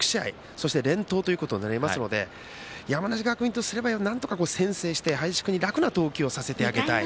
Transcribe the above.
そして、連投ということになりますので山梨学院とすればなんとか先制して林君に楽な投球をさせてあげたい。